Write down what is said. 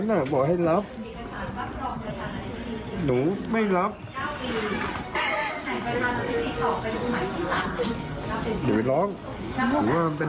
แม่มีหนูก็รับเยอะแล้ว